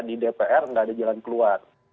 di dpr nggak ada jalan keluar